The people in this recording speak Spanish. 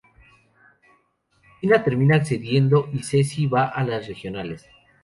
Tina termina accediendo y Casey va a las regionales.